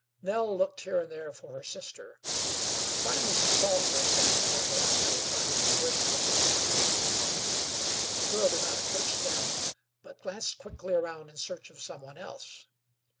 Nell looked here and there for her sister. Finally she saw her standing near her uncle while he conversed with one of the teamsters. The girl did not approach them; but glanced quickly around in search of some one else.